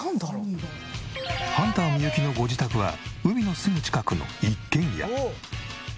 ハンターミユキのご自宅は海のすぐ近くの一軒家。